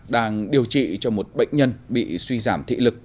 đang điều trị cho một bệnh nhân bị suy giảm thị lực